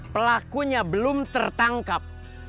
pelakunya belum tertangkap